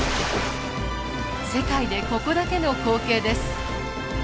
世界でここだけの光景です。